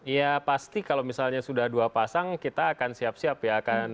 ya pasti kalau misalnya sudah dua pasang kita akan siap siap ya